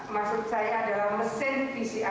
maksud saya adalah mesin pcr test nya